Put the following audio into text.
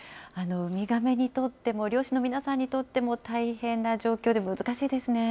ウミガメにとっても、漁師の皆さんにとっても大変な状況で、難しいですね。